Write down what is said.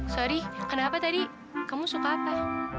sorry kenapa tadi kamu suka apa